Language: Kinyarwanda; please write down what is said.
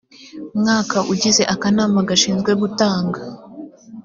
mwaka ugize akanama gashinzwe gutanga